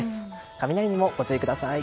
雷にもご注意ください。